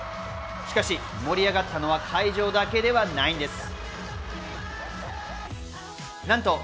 しかし盛り上がったのは会場だけではないんです。